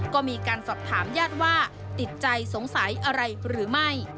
ก็มีการสอบถามญาติว่าติดใจสงสัยอะไรหรือไม่